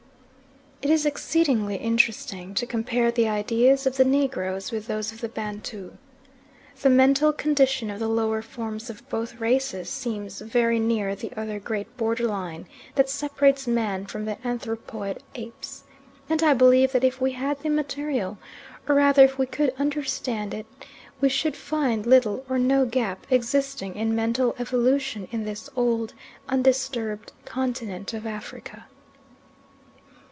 It is exceedingly interesting to compare the ideas of the Negroes with those of the Bantu. The mental condition of the lower forms of both races seems very near the other great border line that separates man from the anthropoid apes, and I believe that if we had the material, or rather if we could understand it, we should find little or no gap existing in mental evolution in this old, undisturbed continent of Africa.